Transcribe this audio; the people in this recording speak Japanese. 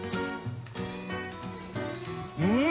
うん！